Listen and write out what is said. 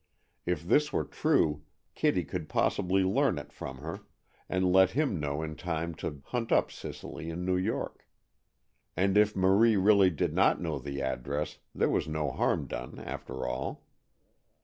If this were true, Kitty could possibly learn it from her, and let him know in time to hunt up Cicely in New York. And if Marie really did not know the address, there was no harm done, after all.